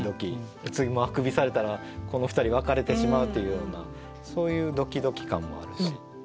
次もうあくびされたらこの２人別れてしまうというようなそういうドキドキ感もあるし。